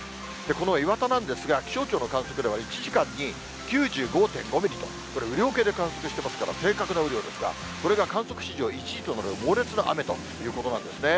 この磐田なんですが、気象庁の観測では、１時間に９５．５ミリと、これ、雨量計で観測していますから、正確な雨量ですが、これが観測史上１位となる猛烈な雨ということなんですね。